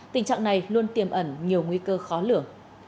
tình trạng này luôn tiềm ẩn nhiều nguy cơ khó lửa